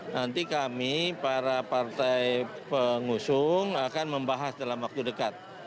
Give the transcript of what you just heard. nanti kami para partai pengusung akan membahas dalam waktu dekat